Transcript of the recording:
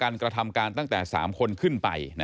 กระทำการตั้งแต่๓คนขึ้นไป